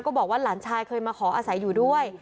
บอกว่าหลานชายเคยมาขออาศัยอยู่ด้วย